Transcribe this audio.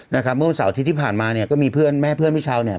เมื่อวันเสาร์อาทิตย์ที่ผ่านมาเนี่ยก็มีเพื่อนแม่เพื่อนพี่เช้าเนี่ย